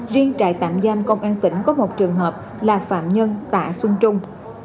riêng trại tạm giam công an tỉnh có một trường hợp là phạm nhân tạ xuân trung